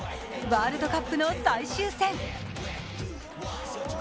ワールドカップの最終戦。